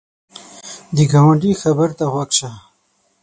د ګاونډي خبر ته غوږ شه